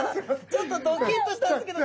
ちょっとドキッとしたんですけど。